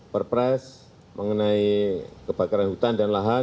perpres mengenai kebakaran hutan dan lahan